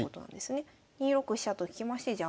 ２六飛車と引きましてじゃあ